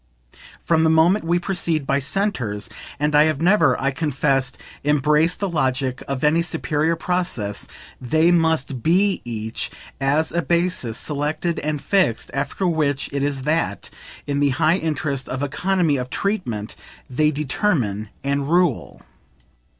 From the moment we proceed by "centres" and I have never, I confess, embraced the logic of any superior process they must BE, each, as a basis, selected and fixed; after which it is that, in the high interest of economy of treatment, they determine and rule.